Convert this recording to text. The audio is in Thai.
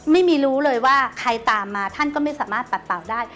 ไม่รู้เลยว่าใครตามมาท่านก็ไม่สามารถปัดเป่าได้